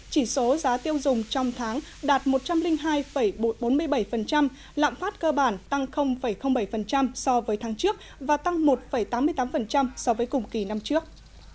chỉ số giá tiêu dùng trong tháng đạt một trăm linh hai bốn mươi bảy lạm phát cơ bản tăng bảy so với tháng trước và tăng một tám mươi tám so với cùng kỳ năm trước